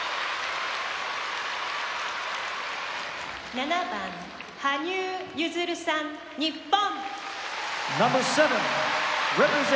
「７番羽生結弦さん日本」。